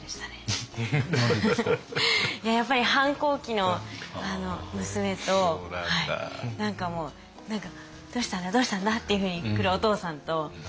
いややっぱり反抗期の娘と何かもう「どうしたんだどうしたんだ？」っていうふうに来るお父さんと。